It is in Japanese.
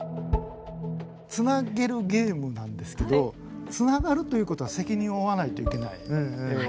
繋げるゲームなんですけど繋がるということは責任を負わないといけない。